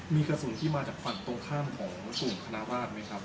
มีกระสุนที่มาจากฝั่งตรงข้ามของกลุ่มคลาวาสไหมครับ